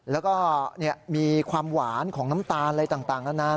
แล้วก็มีความหวานของน้ำตาลอะไรต่างนานา